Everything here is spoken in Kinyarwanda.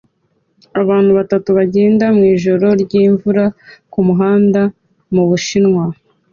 Abantu batatu bagenda mwijoro ryimvura kumuhanda mubushinwa